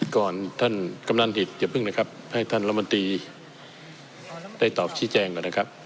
ก่อนท่านกำนันผิดอย่าเพิ่งนะครับให้ท่านรัฐมนตรีได้ตอบชี้แจงก่อนนะครับ